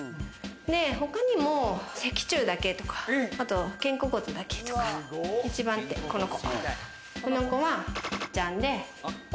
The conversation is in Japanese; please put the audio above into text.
他にも脊柱だけとか、肩甲骨だけとか、一番手はこの子。